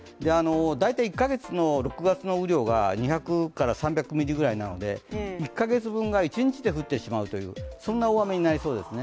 大体１か月の６月の雨量が２００から３００ミリぐらいなので１か月分が一日で降ってしまうという、そんな大雨になりそうですね。